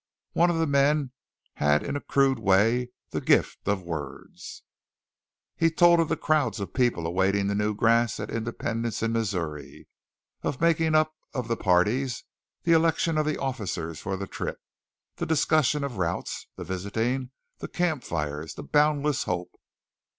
One of the men had in a crude way the gift of words. He told of the crowds of people awaiting the new grass at Independence in Missouri, of the making up of the parties, the election of officers for the trip, the discussion of routes, the visiting, the campfires, the boundless hope.